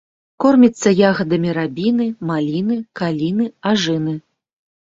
Корміцца ягадамі рабіны, маліны, каліны, ажыны.